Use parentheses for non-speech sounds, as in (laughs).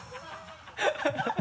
ハハハ (laughs)